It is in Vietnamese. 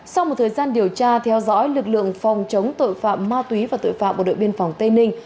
sau một thời gian điều tra theo dõi lực lượng phòng chống tội phạm ma túy và tội phạm bộ đội biên phòng tây ninh